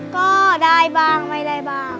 ก็ได้บ้างไม่ได้บ้าง